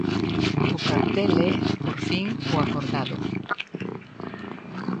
O cartel é, por fin, o acordado.